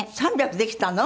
３００できたの？